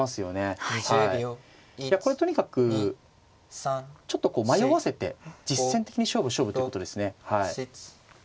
これとにかくちょっとこう迷わせて実戦的に勝負勝負ということですね。